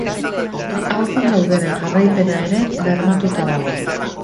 Haurdun daudenen jarraipena ere bermatuta dago.